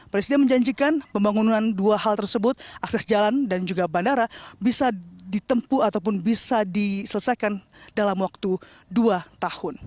presiden menjanjikan pembangunan dua hal tersebut akses jalan dan juga bandara bisa ditempuh ataupun bisa diselesaikan dalam waktu dua tahun